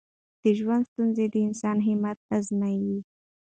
د ژوند ستونزې د انسان همت ازمويي.